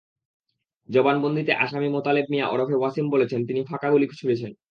জবানবন্দিতে আসামি মোতালেব মিয়া ওরফে ওয়াসিম বলেছেন, তিনি ফাঁকা গুলি ছুড়েছেন।